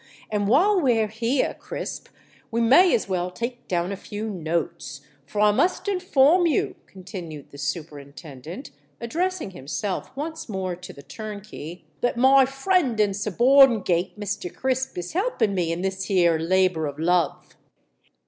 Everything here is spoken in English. And while we're here, Crisp, we may as well take down a few notes—for I must inform you," continued the Superintendent, addressing himself once more to the turnkey, "that my friend and subordingate Mr. Crisp is helping me in this here labour of love."